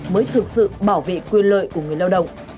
mới thực sự bảo vệ quyền lợi của người lao động